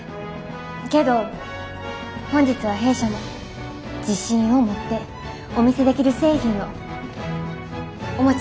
けど本日は弊社も自信を持ってお見せできる製品をお持ちしました。